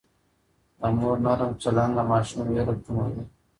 د مور نرم چلند د ماشوم وېره کموي.